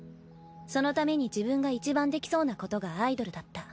そのために自分がいちばんできそうなことがアイドルだった。